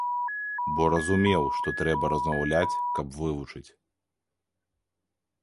Бо разумеў, што трэба размаўляць, каб вывучыць.